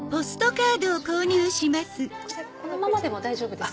このままでも大丈夫です。